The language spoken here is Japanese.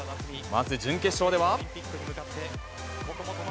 まず準決勝では。